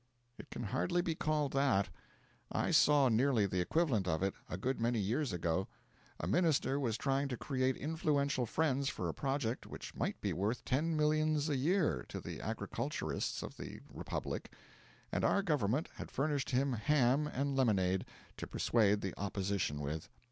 It can hardly be called that. I saw nearly the equivalent of it, a good many years ago. A minister was trying to create influential friends for a project which might be worth ten millions a year to the agriculturists of the Republic; and our Government had furnished him ham and lemonade to persuade the opposition with.